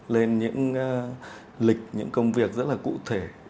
lên những lịch những công việc rất là cụ thể